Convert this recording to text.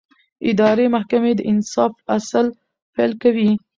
اداري محکمې د انصاف اصل پلي کوي.